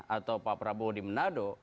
atau pak prabowo di manado